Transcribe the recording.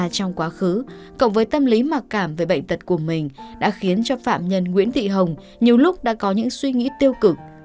cái tâm lý mặc cảm về bệnh tật của mình đã khiến cho phạm nhân nguyễn thị hồng nhiều lúc đã có những suy nghĩ tiêu cực